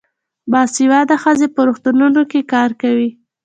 باسواده ښځې په روغتونونو کې کار کوي.